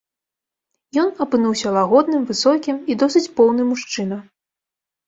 Ён апынуўся лагодным, высокім і досыць поўны мужчына.